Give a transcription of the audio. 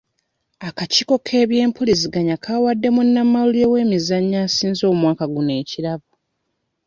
Akakiiko k'ebyempuliziganya kawadde munnamawulire w'emizannyo asinze omwaka guno ekirabo.